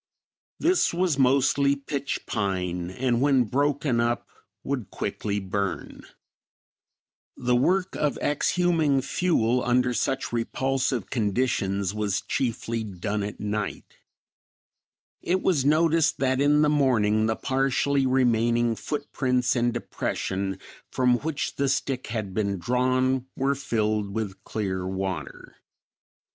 This was mostly pitch pine and when broken up would quickly burn. The work of exhuming fuel under such repulsive conditions was chiefly done at night. It was noticed that in the morning the partially remaining foot prints and depression, from which the stick had been drawn, were filled with clear water.